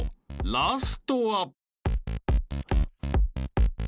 ［ラストは］